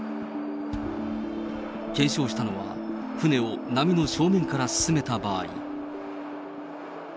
検証したのは、船を波の正面から進めた場合。